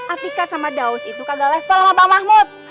a tika sama daudz itu kagak level sama bang mahmud